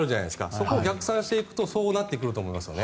そこを逆算していくとそうなっていくと思いますね。